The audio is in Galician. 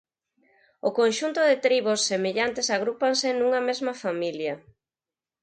O conxunto de tribos semellantes agrúpanse nunha mesma familia.